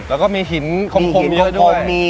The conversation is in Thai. แล้วก็มีหินคมเยอะด้วย